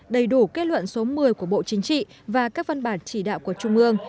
đầy đủ kết luận số một mươi của bộ chính trị và các văn bản chỉ đạo của trung ương